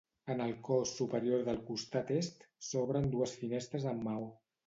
En el cos superior del costat est s'obren dues finestres en maó.